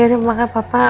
ya udah maka papa